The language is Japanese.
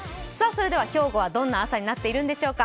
兵庫はどんな朝になっているんでしょうか。